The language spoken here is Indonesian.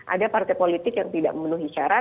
ada partai politik yang tidak memenuhi syarat